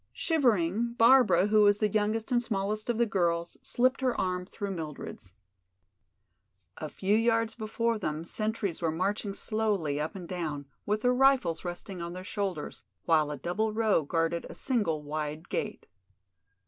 Shivering, Barbara, who was the youngest and smallest of the girls, slipped her arm through Mildred's. A few yards before them sentries were marching slowly up and down, with their rifles resting on their shoulders, while a double row guarded a single wide gate.